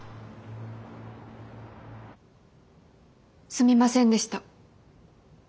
すみませんでした。